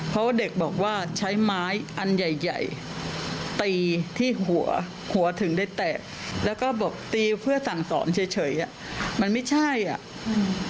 เพราะว่าเด็กบอกว่าใช้ไม้อันใหญ่ใหญ่ตีที่หัวหัวถึงได้แตกแล้วก็บอกตีเพื่อสั่งสอนเฉยเฉยอ่ะมันไม่ใช่อ่ะอืม